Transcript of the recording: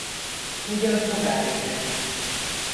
Ugyan hová érek?